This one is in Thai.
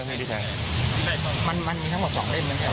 ก็คือนี่ที่ใช้หั่นกับใช้แทง